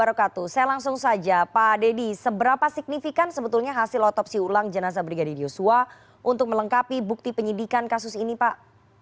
saya langsung saja pak dedy seberapa signifikan sebetulnya hasil otopsi ulang jenazah brigadir yosua untuk melengkapi bukti penyidikan kasus ini pak